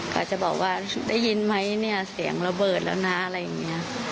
เขาจะบอกว่าได้ยินไหมเนี่ยเสียงระเบิดแล้วนะอะไรอย่างนี้